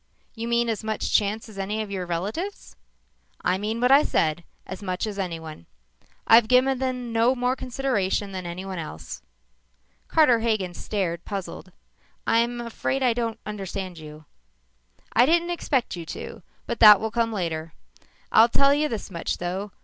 "You mean as much chance as any of your relatives?" "I mean what I said as much as anyone. I've given them no more consideration than anyone else." Carter Hagen stared, puzzled. "I'm afraid I don't understand you." "I didn't expect you to, but that will come later. I'll tell you this much, though.